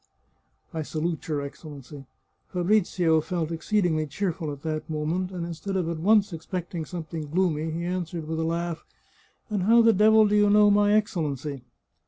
(I salute your Excellency!) Fabrizio felt exceedingly cheerful at that moment, and in stead of at once expecting something gloomy he answered with a laugh :" And how the devil do you know my Excellency